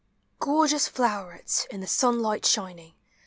Gorgeous flowerets in the sunlighl shining.